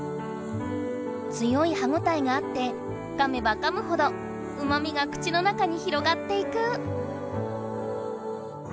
強い歯ごたえがあってかめばかむほどうまみが口の中に広がっていく。